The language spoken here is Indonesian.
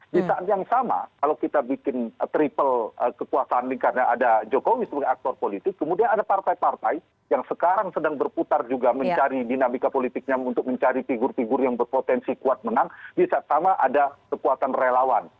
di saat yang sama kalau kita bikin triple kekuasaan ini karena ada jokowi sebagai aktor politik kemudian ada partai partai yang sekarang sedang berputar juga mencari dinamika politiknya untuk mencari figur figur yang berpotensi kuat menang di saat sama ada kekuatan relawan